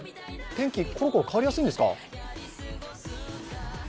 天気、コロコロ変わりやすいんですか。